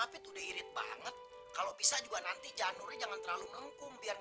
pit udah irit banget kalau bisa juga nanti janurnya jangan terlalu nengkum biar